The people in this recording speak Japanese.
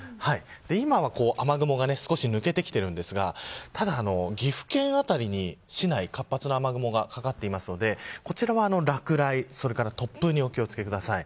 今は雨雲が少し抜けてきているんですがただ、岐阜県辺りに市内活発な雨雲がかかっているのでこちらは落雷、それから突風にお気を付けください。